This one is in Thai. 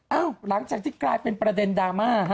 เอ้าหลังจากที่กลายเป็นประเด็นดาม่า